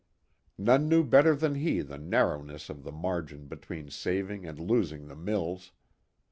None knew better than he the narrowness of the margin between saving and losing the mills.